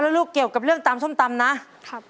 แล้วลูกเกี่ยวกับเรื่องตำส้มตำนะครับ